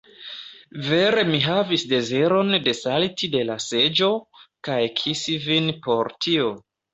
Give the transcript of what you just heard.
Vere mi havis deziron desalti de la seĝo kaj kisi vin por tio!